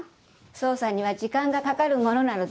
捜査には時間がかかるものなのですよ。